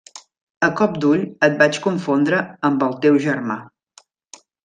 A cop d'ull et vaig confondre amb el teu germà.